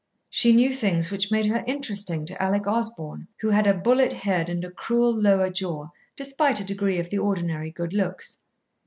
She knew things which made her interesting to Alec Osborn, who had a bullet head and a cruel lower jaw, despite a degree of the ordinary good looks.